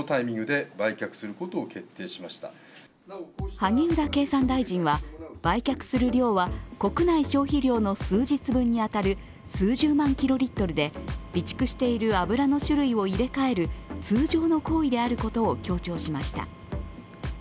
萩生田経産大臣は売却する量は国内消費量の数日分に当たる数十万キロリットルで備蓄している油の種類を入れ替える、通常の行為であることを強調しました。